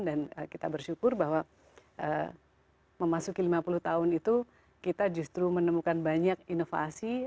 dan kita bersyukur bahwa memasuki lima puluh tahun itu kita justru menemukan banyak inovasi